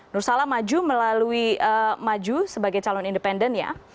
nur salam maju melalui maju sebagai calon independen ya